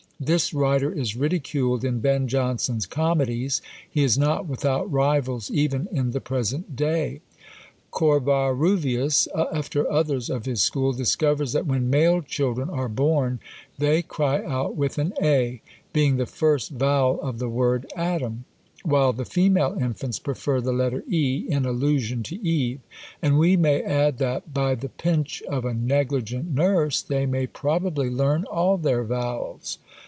This writer is ridiculed in Ben Jonson's Comedies: he is not without rivals even in the present day! Covarruvias, after others of his school, discovers that when male children are born they cry out with an A, being the first vowel of the word Adam, while the female infants prefer the letter E, in allusion to Eve; and we may add that, by the pinch of a negligent nurse, they may probably learn all their vowels.